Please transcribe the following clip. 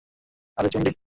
আরে, চুন্ডি!